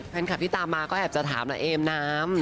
แฟนคลับที่ตามมาก็แอบจะถามนะเอมน้ำ